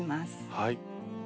はい。